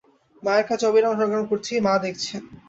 মায়ের কাজে অবিরাম সংগ্রাম করছি, মা দেখছেন।